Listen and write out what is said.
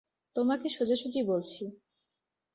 তোমাকে সোজাসুজি বলছি।